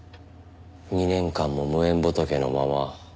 ２年間も無縁仏のまま。